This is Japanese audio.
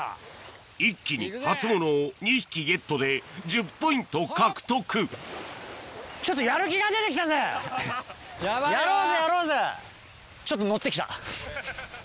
一気に初物を２匹ゲットで１０ポイント獲得やろうぜやろうぜ！